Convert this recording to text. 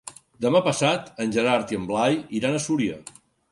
Demà passat en Gerard i en Blai iran a Súria.